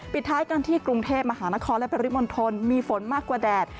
ปิดท้ายกันที่กรุงเทพมหานครและปริมณฑลมีฝนมากกว่าแดด